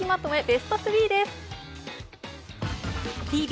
ベスト３です